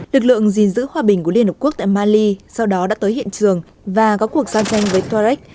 lực lượng gìn giữ hòa bình của liên hợp quốc tại mali sau đó đã tới hiện trường và có cuộc giao tranh với torech